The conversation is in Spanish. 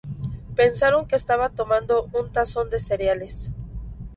Pensaron que estaba tomando un tazón de cereales.